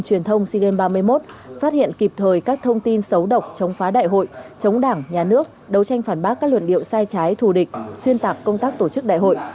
chống phá đại hội chống đảng nhà nước đấu tranh phản bác các luận điệu sai trái thù địch xuyên tạc công tác tổ chức đại hội